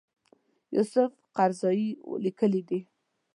یوسف قرضاوي لیکلي دي.